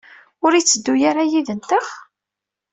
Ur yetteddu ara yid-nteɣ?